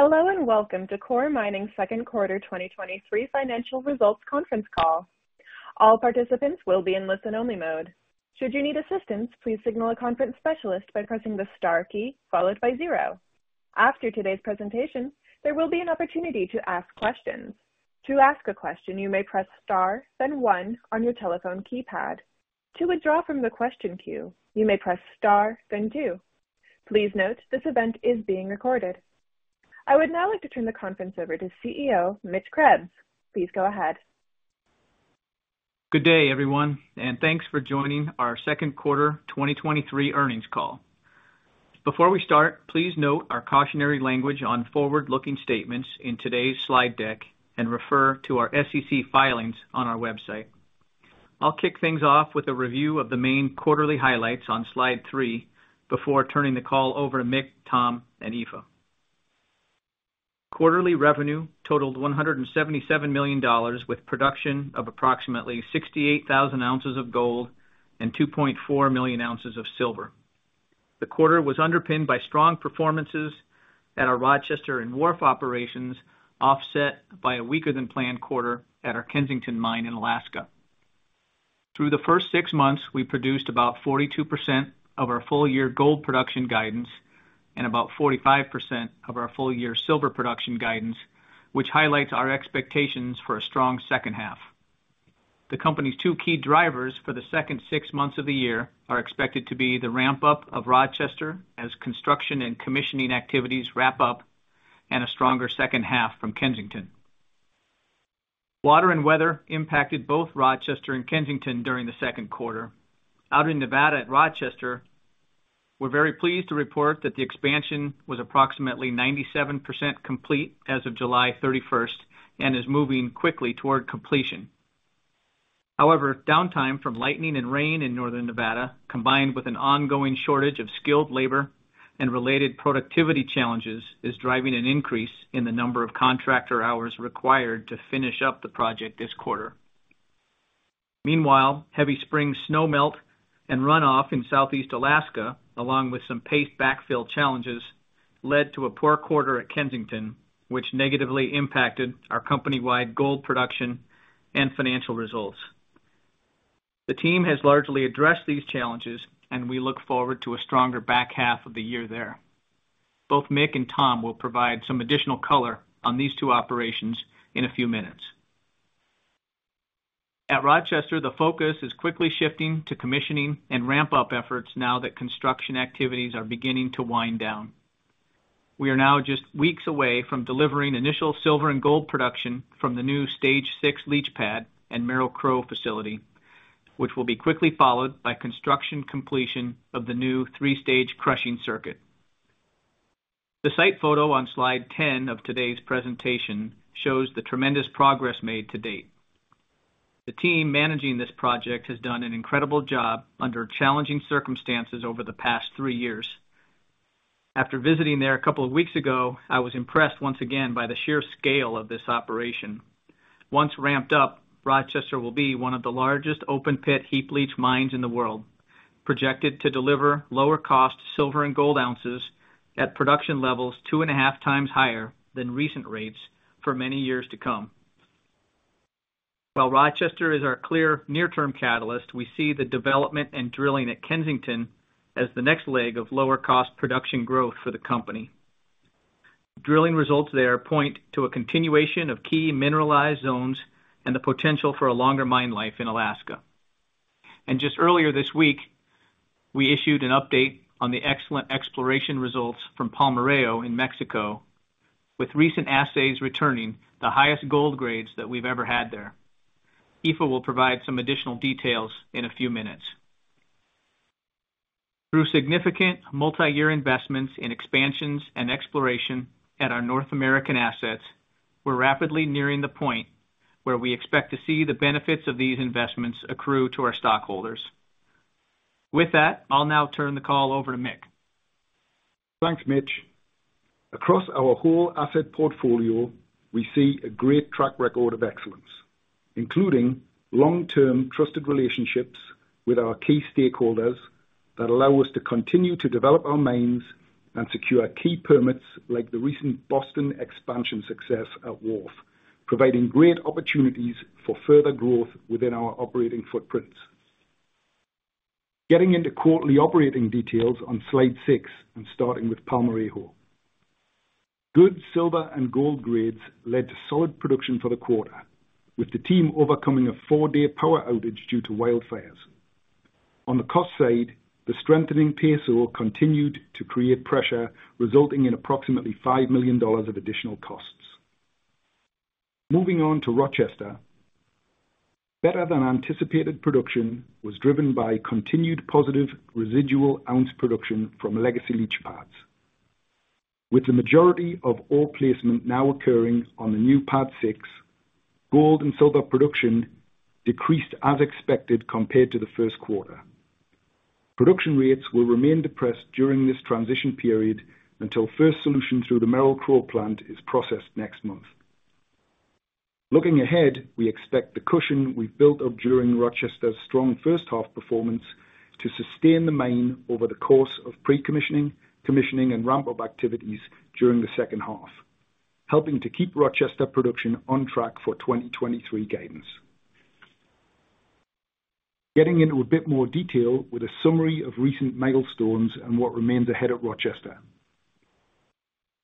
Hello, and Welcome to Coeur Mining's Second Quarter 2023 Financial Results Conference Call. All participants will be in listen-only mode. Should you need assistance, please signal a conference specialist by pressing the star key followed by zero. After today's presentation, there will be an opportunity to ask questions. To ask a question, you may press star, then one on your telephone keypad. To withdraw from the question queue, you may press star, then two. Please note, this event is being recorded. I would now like to turn the conference over to CEO, Mitch Krebs. Please go ahead. Good day, everyone. Thanks for joining our second quarter 2023 earnings call. Before we start, please note our cautionary language on forward-looking statements in today's slide deck and refer to our SEC filings on our website. I'll kick things off with a review of the main quarterly highlights on slide three before turning the call over to Mick, Tom, and Aoife. Quarterly revenue totaled $177 million, with production of approximately 68,000 ounces of gold and 2.4 million ounces of silver. The quarter was underpinned by strong performances at our Rochester and Wharf operations, offset by a weaker than planned quarter at our Kensington mine in Alaska. Through the first six months, we produced about 42% of our full year gold production guidance and about 45% of our full year silver production guidance, which highlights our expectations for a strong second half. The company's two key drivers for the second six months of the year are expected to be the ramp-up of Rochester as construction and commissioning activities wrap up, and a stronger second half from Kensington. Water and weather impacted both Rochester and Kensington during the second quarter. Out in Nevada at Rochester, we're very pleased to report that the expansion was approximately 97% complete as of July 31st and is moving quickly toward completion. However, downtime from lightning and rain in northern Nevada, combined with an ongoing shortage of skilled labor and related productivity challenges, is driving an increase in the number of contractor hours required to finish up the project this quarter. Meanwhile, heavy spring snow melt and runoff in Southeast Alaska, along with some paste backfill challenges, led to a poor quarter at Kensington, which negatively impacted our company-wide gold production and financial results. The team has largely addressed these challenges, and we look forward to a stronger back half of the year there. Both Mick and Tom will provide some additional color on these two operations in a few minutes. At Rochester, the focus is quickly shifting to commissioning and ramp-up efforts now that construction activities are beginning to wind down. We are now just weeks away from delivering initial silver and gold production from the new Stage VI leach pad and Merrill-Crowe facility, which will be quickly followed by construction completion of the new three-stage crushing circuit. The site photo on slide 10 of today's presentation shows the tremendous progress made to date. The team managing this project has done an incredible job under challenging circumstances over the past three years. After visiting there a couple of weeks ago, I was impressed once again by the sheer scale of this operation. Once ramped up, Rochester will be one of the largest open-pit heap leach mines in the world, projected to deliver lower cost silver and gold ounces at production levels, 2.5x higher than recent rates for many years to come. While Rochester is our clear near-term catalyst, we see the development and drilling at Kensington as the next leg of lower cost production growth for the company. Drilling results there point to a continuation of key mineralized zones and the potential for a longer mine life in Alaska. Just earlier this week, we issued an update on the excellent exploration results from Palmarejo in Mexico, with recent assays returning the highest gold grades that we've ever had there. Aoife will provide some additional details in a few minutes. Through significant multi-year investments in expansions and exploration at our North American assets, we're rapidly nearing the point where we expect to see the benefits of these investments accrue to our stockholders. With that, I'll now turn the call over to Mick. Thanks, Mitch. Across our whole asset portfolio, we see a great track record of excellence, including long-term, trusted relationships with our key stakeholders that allow us to continue to develop our mines and secure key permits like the recent Boston Expansion success at Wharf, providing great opportunities for further growth within our operating footprints. Getting into quarterly operating details on slide six and starting with Palmarejo. Good silver and gold grades led to solid production for the quarter, with the team overcoming a four-day power outage due to wildfires. On the cost side, the strengthening peso continued to create pressure, resulting in approximately $5 million of additional costs. Moving on to Rochester. Better than anticipated production was driven by continued positive residual ounce production from legacy leach pads. With the majority of ore placement now occurring on the new Pad VI, gold and silver production decreased as expected, compared to the first quarter. Production rates will remain depressed during this transition period until first solution through the Merrill-Crowe process plant is processed next month. Looking ahead, we expect the cushion we've built up during Rochester's strong first half performance to sustain the main over the course of pre-commissioning, commissioning, and ramp-up activities during the second half, helping to keep Rochester production on track for 2023 gains. Getting into a bit more detail with a summary of recent milestones and what remains ahead at Rochester.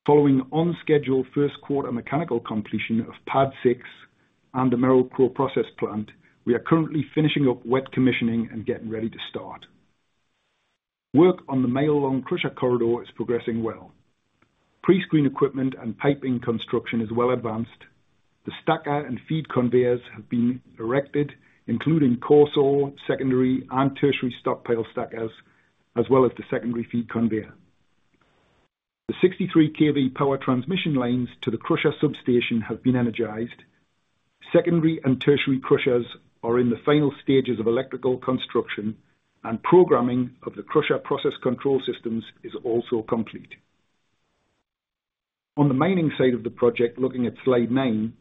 Following on-schedule first quarter mechanical completion of Pad VI and the Merrill-Crowe process plant, we are currently finishing up wet commissioning and getting ready to start. Work on the one-mile-long crusher corridor is progressing well. Pre-screen equipment and piping construction is well advanced. The stacker and feed conveyors have been erected, including coarse, secondary, and tertiary stockpile stackers, as well as the secondary feed conveyor. The 63 kV power transmission lanes to the crusher substation have been energized. Secondary and tertiary crushers are in the final stages of electrical construction, and programming of the crusher process control systems is also complete. On the mining side of the project, looking at slide nine,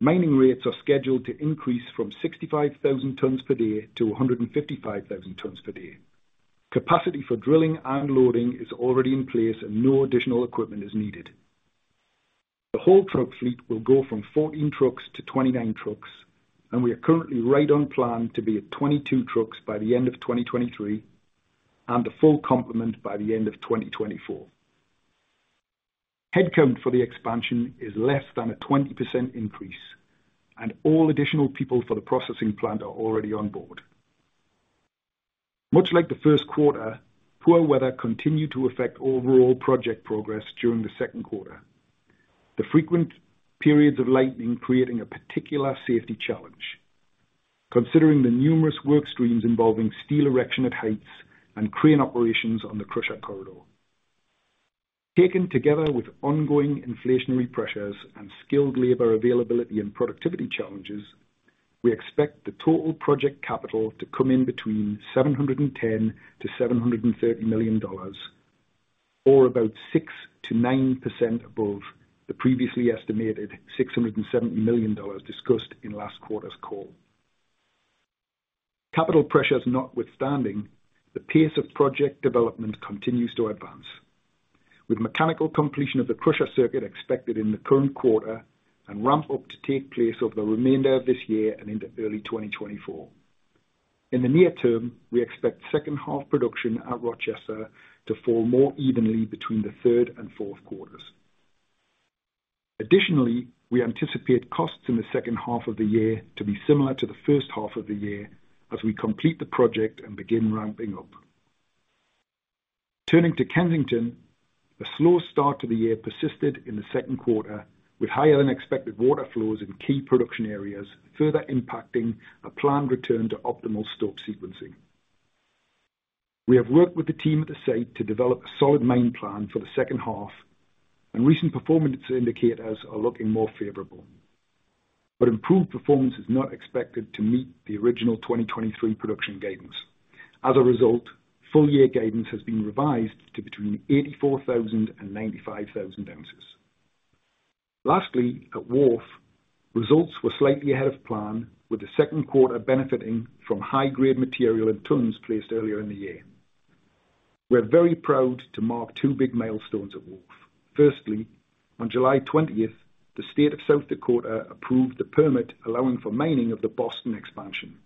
mining rates are scheduled to increase from 65,000 tons per day to 155,000 tons per day. Capacity for drilling and loading is already in place, and no additional equipment is needed. The whole truck fleet will go from 14 trucks to 29 trucks, and we are currently right on plan to be at 22 trucks by the end of 2023, and the full complement by the end of 2024. Headcount for the expansion is less than a 20% increase, and all additional people for the processing plant are already on board. Much like the first quarter, poor weather continued to affect overall project progress during the second quarter. The frequent periods of lightning creating a particular safety challenge, considering the numerous work streams involving steel erection at heights and crane operations on the crusher corridor. Taken together with ongoing inflationary pressures and skilled labor availability and productivity challenges, we expect the total project capital to come in between $710 million-$730 million, or about 6%-9% above the previously estimated $670 million discussed in last quarter's call. Capital pressures notwithstanding, the pace of project development continues to advance, with mechanical completion of the crusher circuit expected in the current quarter, and ramp up to take place over the remainder of this year and into early 2024. In the near term, we expect second half production at Rochester to fall more evenly between the third and fourth quarters. Additionally, we anticipate costs in the second half of the year to be similar to the first half of the year as we complete the project and begin ramping up. Turning to Kensington, a slow start to the year persisted in the second quarter, with higher-than-expected water flows in key production areas, further impacting a planned return to optimal stope sequencing. We have worked with the team at the site to develop a solid mine plan for the second half, and recent performance indicators are looking more favorable. Improved performance is not expected to meet the original 2023 production guidance. As a result, full-year guidance has been revised to between 84,000 and 95,000 ounces. Lastly, at Wharf, results were slightly ahead of plan, with the second quarter benefiting from high-grade material and tons placed earlier in the year. We're very proud to mark two big milestones at Wharf. Firstly, on July 20th, the state of South Dakota approved the permit allowing for mining of the Boston Expansion,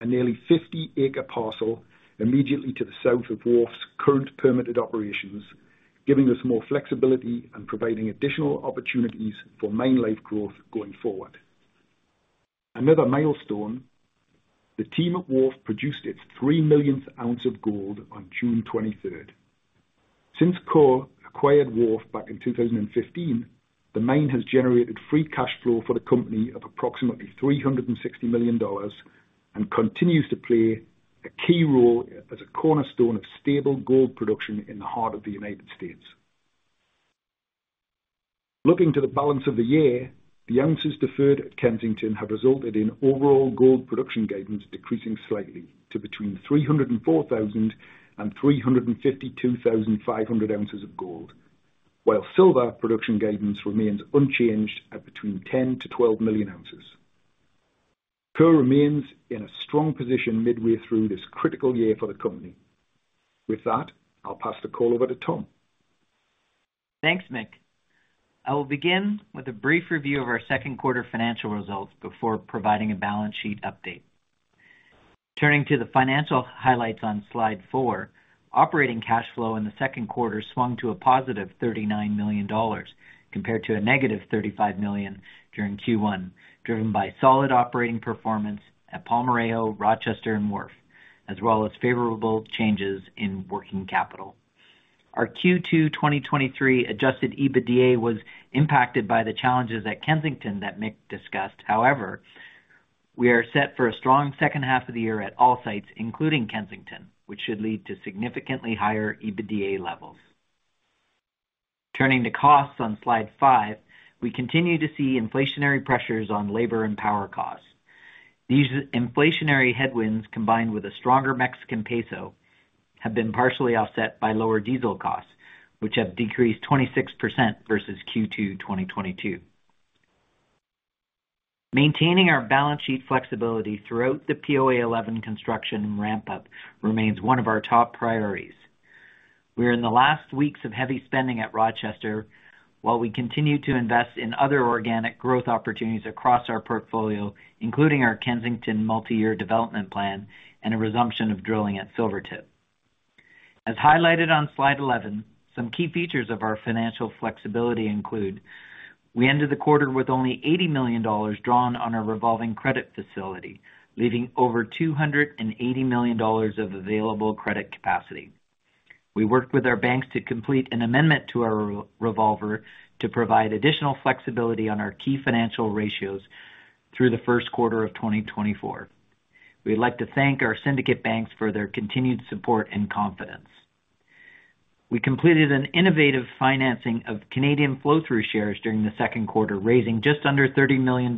a nearly 50-acre parcel immediately to the south of Wharf's current permitted operations, giving us more flexibility and providing additional opportunities for mine life growth going forward. Another milestone, the team at Wharf produced its 3 millionth ounce of gold on June 23rd. Since Coeur acquired Wharf back in 2015, the mine has generated free cash flow for the company of approximately $360 million and continues to play a key role as a cornerstone of stable gold production in the heart of the United States. Looking to the balance of the year, the ounces deferred at Kensington have resulted in overall gold production guidance decreasing slightly to between 304,000 and 352,500 ounces of gold, while silver production guidance remains unchanged at between 10 million-12 million ounces. Coeur remains in a strong position midway through this critical year for the company. With that, I'll pass the call over to Tom. Thanks, Mick. I will begin with a brief review of our second quarter financial results before providing a balance sheet update. Turning to the financial highlights on slide four, operating cash flow in the second quarter swung to a +$39 million, compared to a -$35 million during Q1, driven by solid operating performance at Palmarejo, Rochester, and Wharf, as well as favorable changes in working capital. Our Q2 2023 Adjusted EBITDA was impacted by the challenges at Kensington that Mick discussed. However, we are set for a strong second half of the year at all sites, including Kensington, which should lead to significantly higher EBITDA levels. Turning to costs on slide five, we continue to see inflationary pressures on labor and power costs. These inflationary headwinds, combined with a stronger Mexican peso, have been partially offset by lower diesel costs, which have decreased 26% versus Q2, 2022. Maintaining our balance sheet flexibility throughout the POA 11 construction and ramp-up remains one of our top priorities. We are in the last weeks of heavy spending at Rochester, while we continue to invest in other organic growth opportunities across our portfolio, including our Kensington multi-year development plan and a resumption of drilling at Silvertip. As highlighted on slide 11, some key features of our financial flexibility include: we ended the quarter with only $80 million drawn on our revolving credit facility, leaving over $280 million of available credit capacity. We worked with our banks to complete an amendment to our re- revolver to provide additional flexibility on our key financial ratios through the first quarter of 2024. We'd like to thank our syndicate banks for their continued support and confidence. We completed an innovative financing of Canadian flow-through shares during the second quarter, raising just under $30 million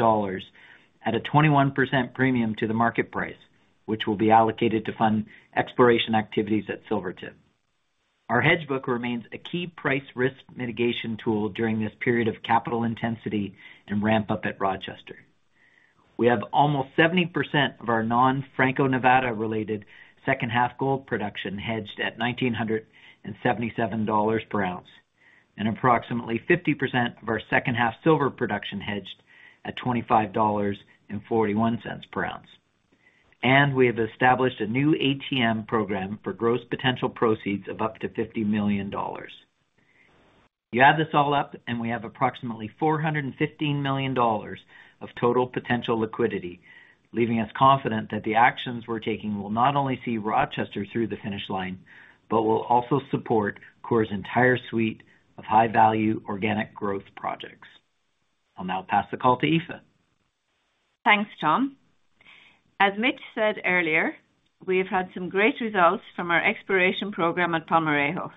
at a 21% premium to the market price, which will be allocated to fund exploration activities at Silvertip. Our hedge book remains a key price risk mitigation tool during this period of capital intensity and ramp up at Rochester. We have almost 70% of our non-Franco-Nevada related second half gold production hedged at $1,977 per ounce, and approximately 50% of our second half silver production hedged at $25.41 per ounce. We have established a new ATM program for gross potential proceeds of up to $50 million. You add this all up. We have approximately $415 million of total potential liquidity, leaving us confident that the actions we're taking will not only see Rochester through the finish line, but will also support Coeur's entire suite of high-value, organic growth projects. I'll now pass the call to Aoife. Thanks, Tom. As Mitch said earlier, we have had some great results from our exploration program at Palmarejo.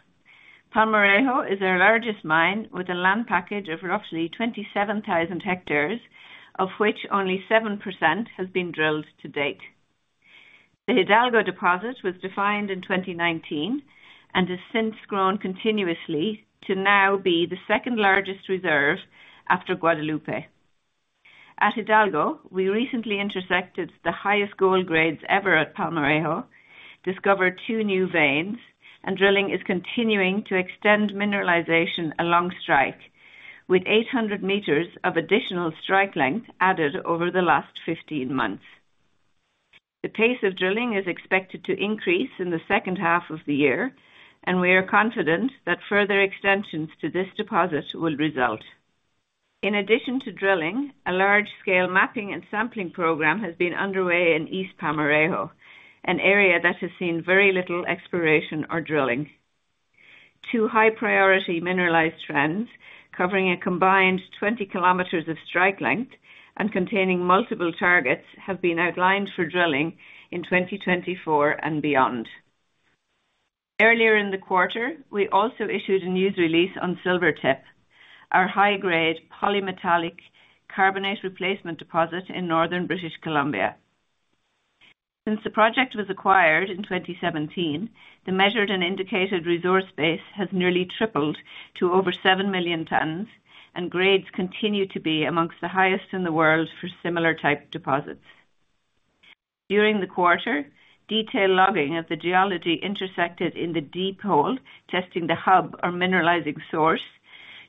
Palmarejo is our largest mine, with a land package of roughly 27,000 hectares, of which only 7% has been drilled to date. The Hidalgo deposit was defined in 2019, and has since grown continuously to now be the second largest reserve after Guadalupe. At Hidalgo, we recently intersected the highest gold grades ever at Palmarejo, discovered two new veins, and drilling is continuing to extend mineralization along strike, with 800 meters of additional strike length added over the last 15 months. The pace of drilling is expected to increase in the second half of the year, and we are confident that further extensions to this deposit will result. In addition to drilling, a large-scale mapping and sampling program has been underway in East Palmarejo, an area that has seen very little exploration or drilling. Two high-priority mineralized trends, covering a combined 20 kilometers of strike length and containing multiple targets, have been outlined for drilling in 2024 and beyond. Earlier in the quarter, we also issued a news release on Silvertip, our high-grade polymetallic carbonate replacement deposit in northern British Columbia. Since the project was acquired in 2017, the Measured and Indicated Resource base has nearly tripled to over 7 million tons, and grades continue to be amongst the highest in the world for similar type deposits. During the quarter, detailed logging of the geology intersected in the deep hole, testing the hub or mineralizing source,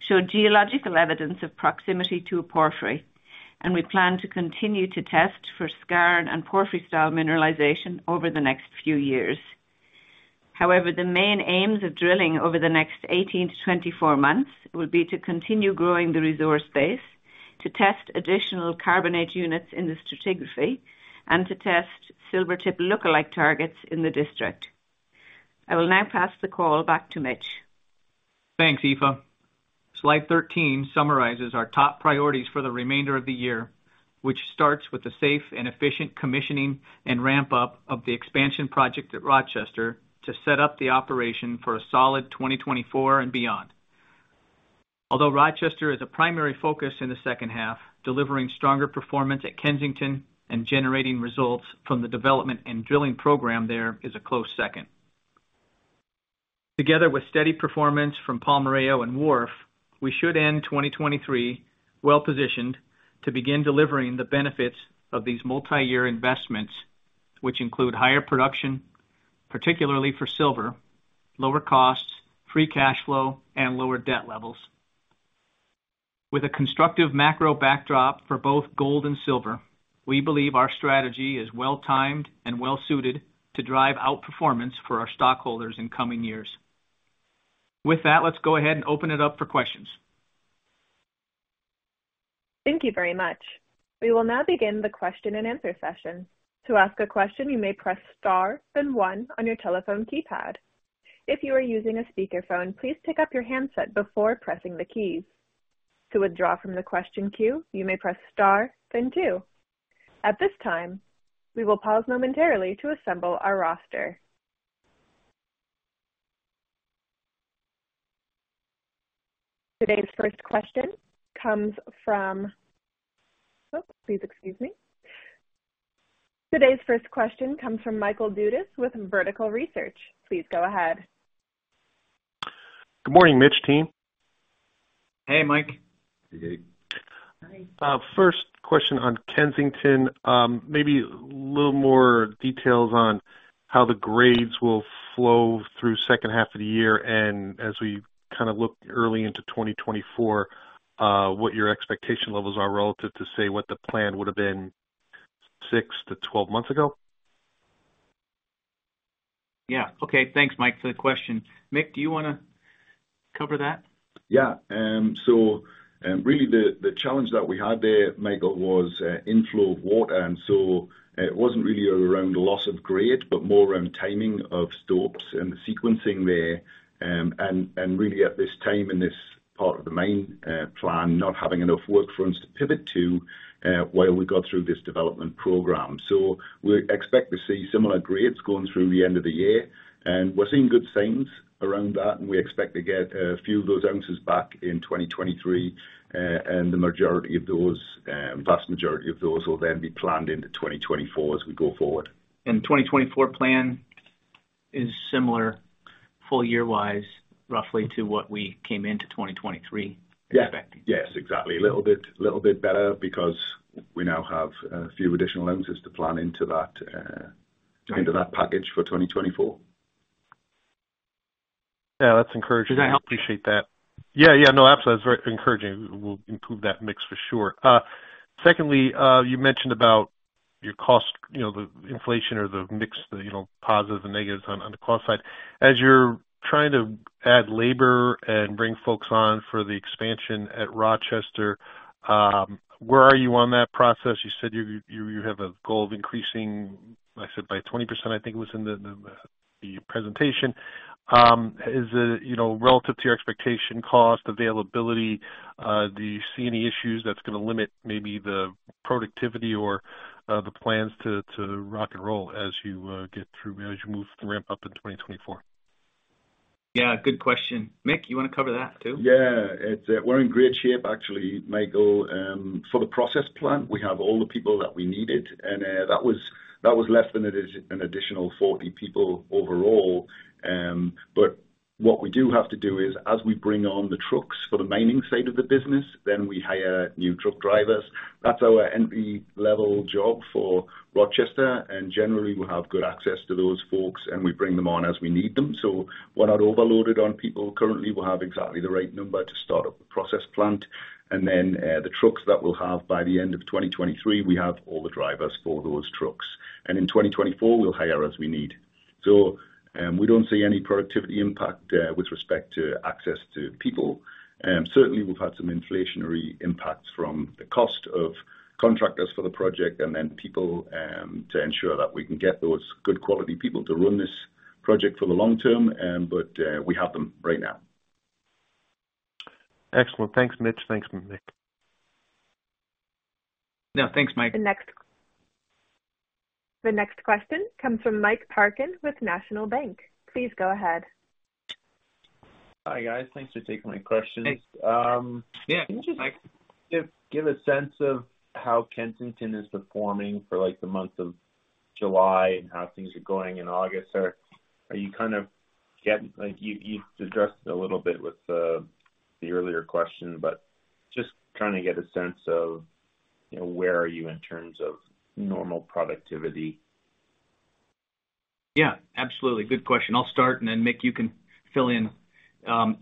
showed geological evidence of proximity to a porphyry, and we plan to continue to test for skarn and porphyry-style mineralization over the next 18-24 months. However, the main aims of drilling over the next 18-24 months will be to continue growing the resource base, to test additional carbonate units in the stratigraphy, and to test Silvertip lookalike targets in the district. I will now pass the call back to Mitch. Thanks, Aoife. Slide 13 summarizes our top priorities for the remainder of the year, which starts with the safe and efficient commissioning and ramp-up of the expansion project at Rochester to set up the operation for a solid 2024 and beyond. Although Rochester is a primary focus in the second half, delivering stronger performance at Kensington and generating results from the development and drilling program there is a close second. Together with steady performance from Palmarejo and Wharf, we should end 2023 well positioned to begin delivering the benefits of these multi-year investments, which include higher production, particularly for silver, lower costs, free cash flow, and lower debt levels. With a constructive macro backdrop for both gold and silver, we believe our strategy is well-timed and well-suited to drive outperformance for our stockholders in coming years. With that, let's go ahead and open it up for questions. Thank you very much. We will now begin the question-and-answer session. To ask a question, you may press star then 1 on your telephone keypad. If you are using a speakerphone, please pick up your handset before pressing the keys. To withdraw from the question queue, you may press star then two. At this time, we will pause momentarily to assemble our roster. Today's first question comes from. Oops, please excuse me. Today's first question comes from Michael Dudas with Vertical Research. Please go ahead. Good morning, Mitch team. Hey, Mike. Hey. Hi. First question on Kensington. Maybe a little more details on how the grades will flow through second half of the year, and as we kind of look early into 2024, what your expectation levels are relative to, say, what the plan would've been six to 12 months ago? Yeah. Okay, thanks, Mike, for the question. Mick, do you wanna cover that? Yeah. Really the, the challenge that we had there, Michael, was inflow of water, and so it wasn't really around loss of grade, but more around timing of stops and the sequencing there. And really at this time, in this part of the main plan, not having enough work for us to pivot to, while we got through this development program. We expect to see similar grades going through the end of the year, and we're seeing good signs around that, and we expect to get a few of those ounces back in 2023. The majority of those, vast majority of those will then be planned into 2024 as we go forward. 2024 plan is similar, full year-wise, roughly to what we came into 2023 expecting. Yeah. Yes, exactly. A little bit, little bit better because we now have a few additional ounces to plan into that, into that package for 2024. Yeah, that's encouraging. Does that help? I appreciate that. Yeah, yeah. No, absolutely, it's very encouraging. We'll improve that mix for sure. Secondly, you mentioned about your cost, you know, the inflation or the mix, the, you know, positives and negatives on, on the cost side. As you're trying to add labor and bring folks on for the expansion at Rochester, where are you on that process? You said you, you, you have a goal of increasing, I said, by 20%, I think it was in the, the, the presentation. Is it, you know, relative to your expectation, cost, availability, do you see any issues that's gonna limit maybe the productivity or the plans to, to rock and roll as you get through, as you move to ramp up in 2024? Yeah, good question. Mick, you wanna cover that, too? Yeah. It's, we're in great shape, actually, Michael. For the process plant, we have all the people that we needed, and, that was, that was less than an additional 40 people overall. What we do have to do is, as we bring on the trucks for the mining side of the business, then we hire new truck drivers. That's our entry level job for Rochester, and generally, we have good access to those folks, and we bring them on as we need them. We're not overloaded on people. Currently, we have exactly the right number to start up the process plant, and then, the trucks that we'll have by the end of 2023, we have all the drivers for those trucks. In 2024, we'll hire as we need. We don't see any productivity impact with respect to access to people. Certainly, we've had some inflationary impacts from the cost of contractors for the project and then people to ensure that we can get those good quality people to run this project for the long term. We have them right now. Excellent. Thanks, Mitch. Thanks, Mick. No, thanks, Mike. The next question comes from Mike Parkin with National Bank. Please go ahead. Hi, guys. Thanks for taking my questions. Hey. Um- Yeah, hi. Can you just give a sense of how Kensington is performing for, like, the month of July, and how things are going in August? Are you kind of getting. Like, you addressed it a little bit with the earlier question, but just trying to get a sense of, you know, where are you in terms of normal productivity? Yeah, absolutely. Good question. I'll start and then, Mick, you can fill in.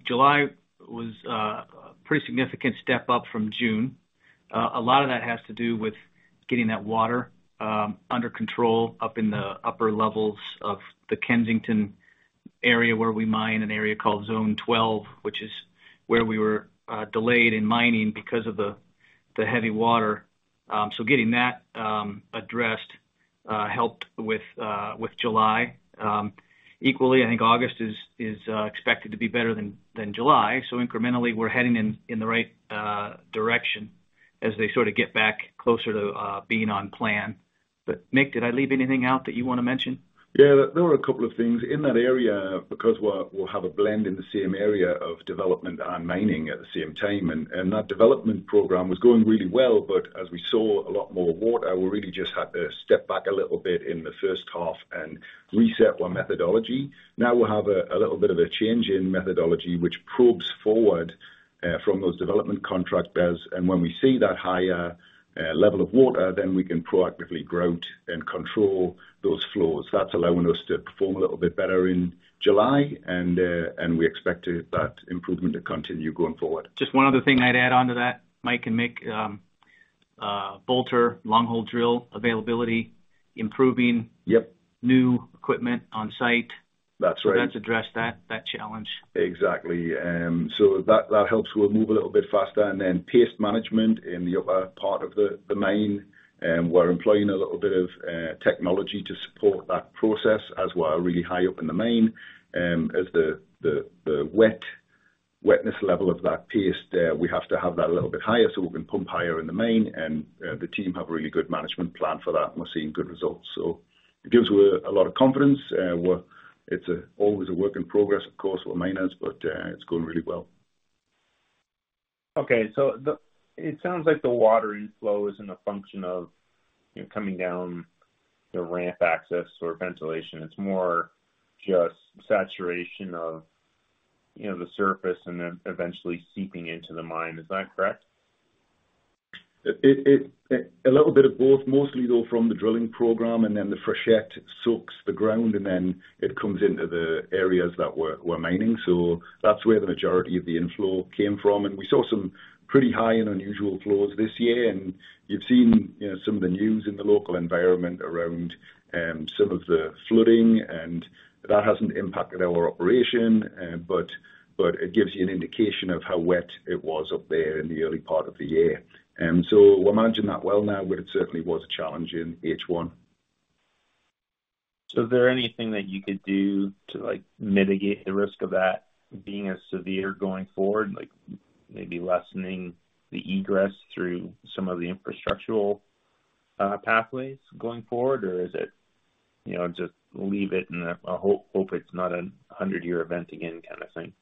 July was a pretty significant step up from June. A lot of that has to do with getting that water under control up in the upper levels of the Kensington area, where we mine an area called Zone 12, which is where we were delayed in mining because of the, the heavy water. So getting that addressed helped with with July. Equally, I think August is expected to be better than July, so incrementally, we're heading in the right direction as they sort of get back closer to being on plan. Mick, did I leave anything out that you wanna mention? Yeah, there were a couple of things. In that area, because we're, we'll have a blend in the same area of development and mining at the same time, and, and that development program was going really well, but as we saw a lot more water, we really just had to step back a little bit in the first half and reset our methodology. Now, we'll have a, a little bit of a change in methodology, which probes forward, from those development contract bids, and when we see that higher, level of water, then we can proactively grout and control those flows. That's allowing us to perform a little bit better in July, and, and we expect it, that improvement to continue going forward. Just one other thing I'd add onto that, Mike and Mick, bolter long-hole drill availability, improving. Yep. new equipment on site. That's right. That's addressed that, that challenge. Exactly. That, that helps we move a little bit faster, and then paste management in the other part of the mine. We're employing a little bit of technology to support that process, as we're really high up in the mine, as the, the, the wetness level of that paste, we have to have that a little bit higher, so we can pump higher in the mine. The team have a really good management plan for that, and we're seeing good results. It gives we a lot of confidence. It's always a work in progress, of course, for miners, but it's going really well. Okay, it sounds like the water inflow isn't a function of, you know, coming down the ramp access or ventilation. It's more just saturation of, you know, the surface and then eventually seeping into the mine. Is that correct? It, a little bit of both, mostly though, from the drilling program, then the freshet soaks the ground, then it comes into the areas that we're, we're mining. That's where the majority of the inflow came from. We saw some pretty high and unusual flows this year. You've seen, you know, some of the news in the local environment around some of the flooding. That hasn't impacted our operation. But, but it gives you an indication of how wet it was up there in the early part of the year. We're managing that well now, but it certainly was a challenge in H1. Is there anything that you could do to, like, mitigate the risk of that being as severe going forward? Like, maybe lessening the egress through some of the infrastructural, pathways going forward? Is it, you know, just leave it and, hope, hope it's not a 100-year event again, kind of thing?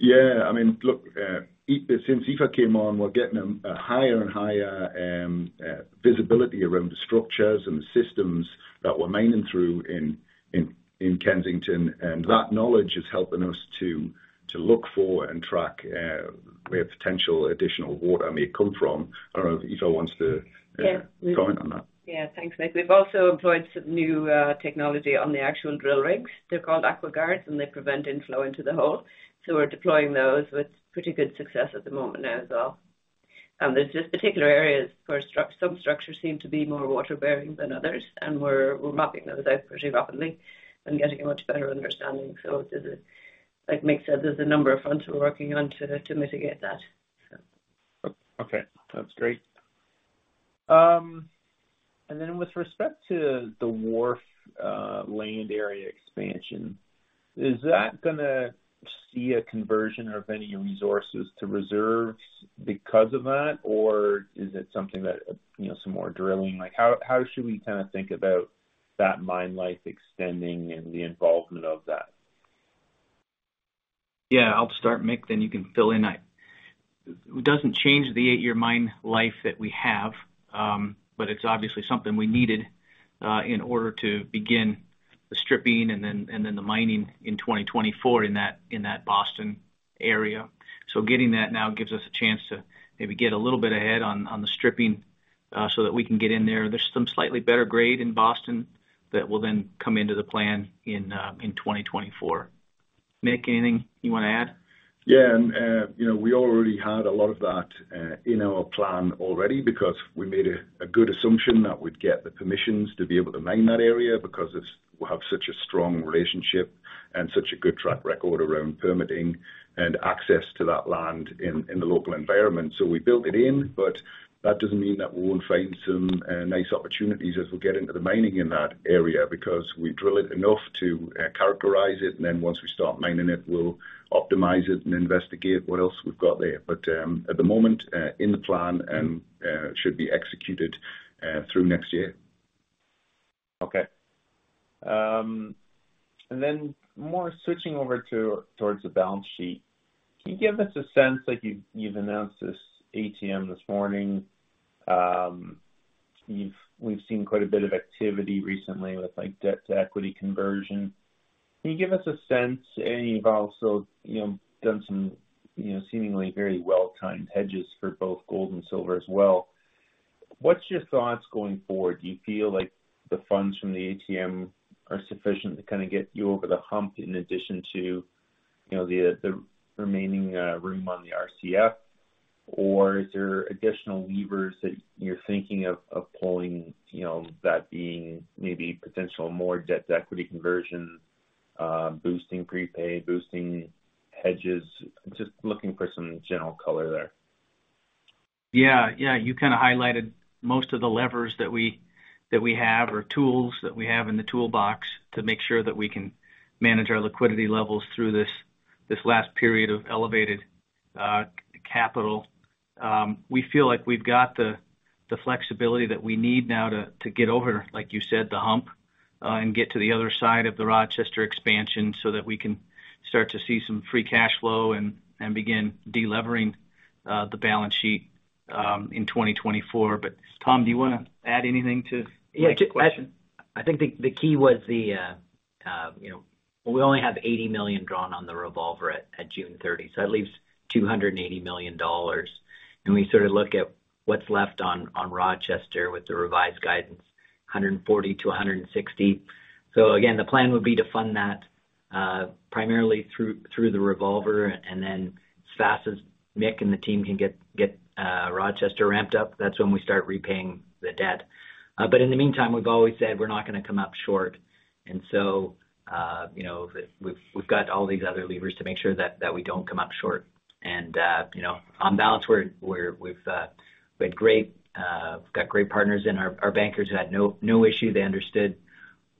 Yeah. I mean, look, since Aoife came on, we're getting a, a higher and higher visibility around the structures and the systems that we're mining through in, in, in Kensington. That knowledge is helping us to, to look for and track, where potential additional water may come from. I don't know if Aoife wants to. Yeah comment on that. Yeah, thanks, Mick. We've also employed some new technology on the actual drill rigs. They're called AquaGuard, and they prevent inflow into the hole. We're deploying those with pretty good success at the moment now as well. There's just particular areas where some structures seem to be more water-bearing than others, and we're mapping those out pretty rapidly and getting a much better understanding. There's like Mick said, there's a number of fronts we're working on to mitigate that, so. Okay, that's great. Then with respect to the Wharf land area expansion, is that gonna see a conversion of any resources to reserves because of that? Is it something that, you know, some more drilling? How, how should we kind of think about that mine life extending and the involvement of that? Yeah, I'll start, Mick, then you can fill in. It doesn't change the eight-year mine life that we have, but it's obviously something we needed in order to begin the stripping and then, and then the mining in 2024 in that, in that Boston area. Getting that now gives us a chance to maybe get a little bit ahead on, on the stripping, so that we can get in there. There's some slightly better grade in Boston that will then come into the plan in 2024. Mick, anything you want to add? Yeah, you know, we already had a lot of that in our plan already because we made a good assumption that we'd get the permissions to be able to mine that area, because we have such a strong relationship and such a good track record around permitting and access to that land in, in the local environment. We built it in, but that doesn't mean that we won't find some nice opportunities as we get into the mining in that area, because we drill it enough to characterize it, and then once we start mining it, we'll optimize it and investigate what else we've got there. At the moment, in the plan, should be executed through next year. Okay. Then more switching over towards the balance sheet. Can you give us a sense, like you've, you've announced this ATM this morning. We've seen quite a bit of activity recently with, like, debt-to-equity conversion. Can you give us a sense, and you've also, you know, done some, you know, seemingly very well-timed hedges for both gold and silver as well. What's your thoughts going forward? Do you feel like the funds from the ATM are sufficient to kind of get you over the hump in addition to, you know, the, the remaining room on the RCF? Or is there additional levers that you're thinking of, of pulling, you know, that being maybe potential more debt-to-equity conversion, boosting prepaid, boosting hedges? Just looking for some general color there. Yeah. Yeah, you kind of highlighted most of the levers that we, that we have, or tools that we have in the toolbox, to make sure that we can manage our liquidity levels through this, this last period of elevated, capital. We feel like we've got the, the flexibility that we need now to, to get over, like you said, the hump, and get to the other side of the Rochester Expansion so that we can start to see some free cash flow and, and begin de-levering, the balance sheet, in 2024. Tom, do you want to add anything to Mick's question? Yeah, just, I, I think the, the key was the, you know, we only have $80 million drawn on the revolver at June 30, so that leaves $280 million. We sort of look at what's left on Rochester with the revised guidance, $140 million-$160 million. Again, the plan would be to fund that primarily through, through the revolver, and then as fast as Mick and the team can get, get Rochester ramped up, that's when we start repaying the debt. In the meantime, we've always said we're not gonna come up short, and so, you know, we've, we've got all these other levers to make sure that, that we don't come up short. You know, on balance, we're, we've, we had great, got great partners, and our, our bankers had no, no issue. They understood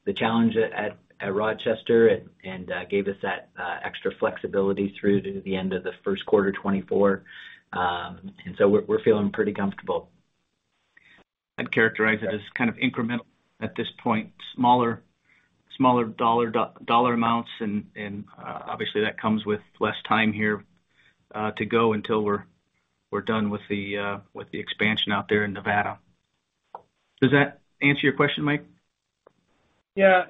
the challenge at Rochester and gave us that extra flexibility through to the end of the first quarter 2024. We're, we're feeling pretty comfortable. I'd characterize it as kind of incremental at this point. Smaller, smaller dollar, do- dollar amounts, and, and, obviously, that comes with less time here, to go until we're, we're done with the, with the expansion out there in Nevada. Does that answer your question, Mike? Yeah.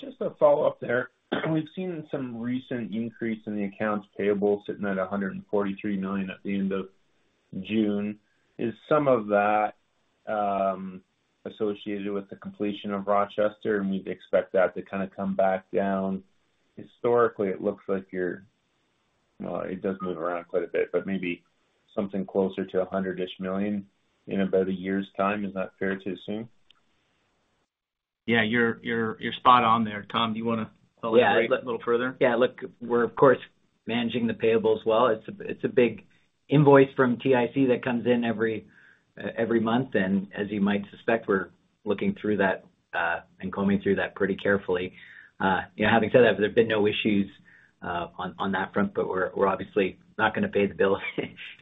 Just a follow-up there. We've seen some recent increase in the accounts payable, sitting at $143 million at the end of June. Is some of that associated with the completion of Rochester, and we'd expect that to kinda come back down? Historically, it looks like you're, well, it does move around quite a bit, but maybe something closer to $100 million-ish in about a year's time. Is that fair to assume? Yeah, you're, you're, you're spot on there. Tom, do you wanna- Yeah. elaborate a little further? Yeah, look, we're of course, managing the payables well. It's a, it's a big invoice from TIC that comes in every month. As you might suspect, we're looking through that and combing through that pretty carefully. You know, having said that, there have been no issues on that front. We're obviously not gonna pay the bill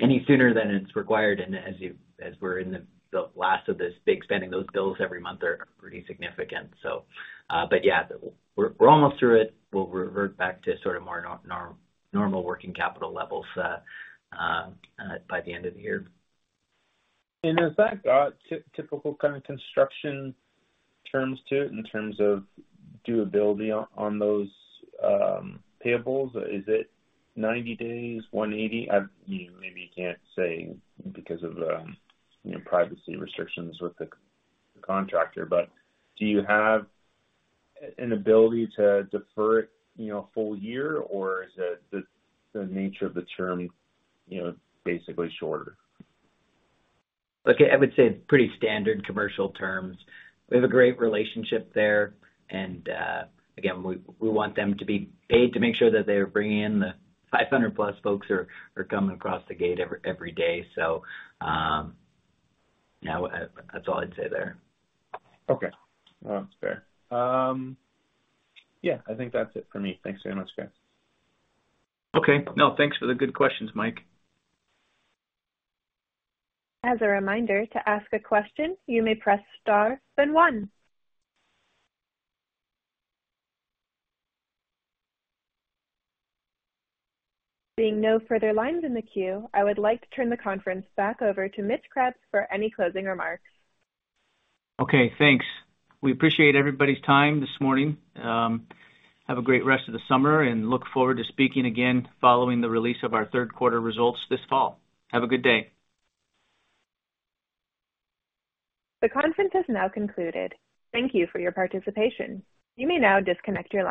any sooner than it's required, and as we're in the last of this big spending, those bills every month are pretty significant. Yeah, we're almost through it. We'll revert back to sort of more normal working capital levels by the end of the year. Is that, typical kind of construction terms to it, in terms of durability on, on those payables? Is it 90 days, 180? You know, maybe you can't say because of the, you know, privacy restrictions with the contractor, but do you have an ability to defer it, you know, a full year, or is it the nature of the term, you know, basically shorter? Look, I would say pretty standard commercial terms. We have a great relationship there, and again, we, we want them to be paid to make sure that they're bringing in the 500+ folks who are, are coming across the gate every, every day. Yeah, that's all I'd say there. Okay. Well, that's fair. Yeah, I think that's it for me. Thanks very much, guys. Okay. No, thanks for the good questions, Mike. As a reminder, to ask a question, you may press star, then one. Seeing no further lines in the queue, I would like to turn the conference back over to Mitch Krebs for any closing remarks. Okay, thanks. We appreciate everybody's time this morning. Have a great rest of the summer and look forward to speaking again following the release of our third quarter results this fall. Have a good day! The conference has now concluded. Thank you for your participation. You may now disconnect your line.